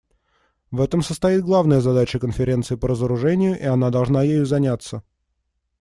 В этом состоит главная задача Конференции по разоружению, и она должна ею заняться.